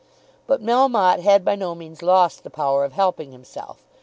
But Melmotte had by no means lost the power of helping himself.